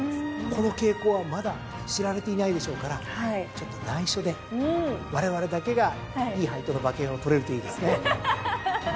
この傾向はまだ知られていないでしょうからちょっと内緒でわれわれだけがいい配当の馬券を取れるといいですね。